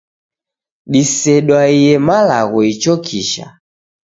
Disedwaiye malagho ichokisha.